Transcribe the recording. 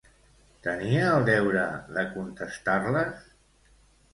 Tenia el deure de contestar-les?